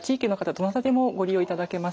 どなたでもご利用いただけます。